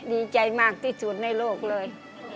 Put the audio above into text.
ดีใจมากที่สุดในโลกเลย